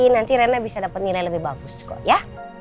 nanti rena bisa dapat nilai lebih bagus kok ya